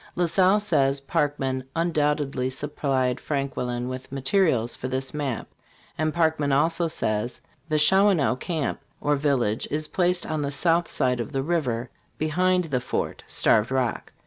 La Salle, says Parkman, ".undoubtedly supplied Franquelin with materials" for this map. And Parkman also says : "The Shawanoe camp, or village, is placed on the south side of the river, behind the fort (Starved Rock).